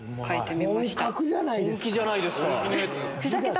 はい！